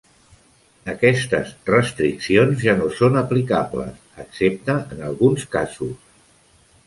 Aquestes restriccions ja no són aplicables, excepte en alguns casos.